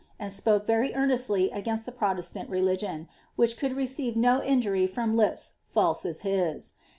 and spoke very earnestly a^inst the Protesiaiil rehgton. which eould receive no injury ftoin li(>s raise tu his.